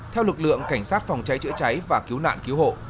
theo lực lượng cảnh sát phòng cháy chữa cháy và cứu nạn cứu hộ